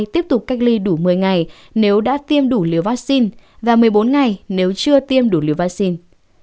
tiếp tục cách ly đủ một mươi ngày nếu đã tiêm đủ liều vaccine và một mươi bốn ngày nếu chưa tiêm đủ liều vaccine